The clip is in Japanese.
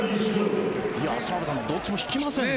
澤部さんどっちも引きませんね。